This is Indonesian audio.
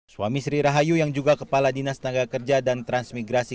suami sri rahayu yang juga kepala dinas tenaga kerja dan transmigrasi